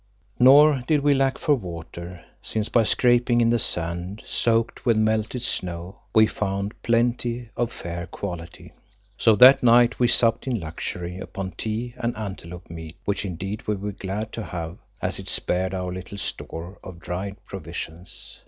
Nor did we lack for water, since by scraping in the sand soaked with melted snow, we found plenty of fair quality. So that night we supped in luxury upon tea and antelope meat, which indeed we were glad to have, as it spared our little store of dried provisions.